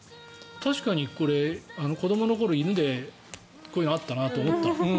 確かに、子どもの頃犬でこういうのあったなと思った。